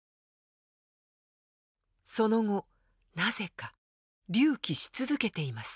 その後なぜか隆起し続けています。